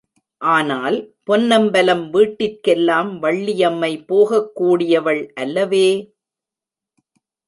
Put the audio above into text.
ஆனால், பொன்னம்பலம் வீட்டிற்கெல்லாம் வள்ளியம்மை போகக் கூடியவள் அல்லவே!